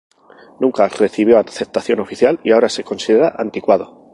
Nunca recibió aceptación oficial y ahora se considera anticuado.